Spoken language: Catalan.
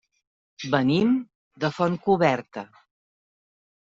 Venim de Fontcoberta.